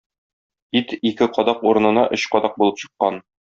Ит ике кадак урынына өч кадак булып чыккан.